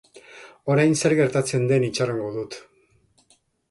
Orain zer gertatzen den itxarongo dut.